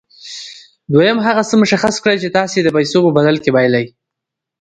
دويم هغه څه مشخص کړئ چې تاسې يې د پیسو په بدل کې بايلئ.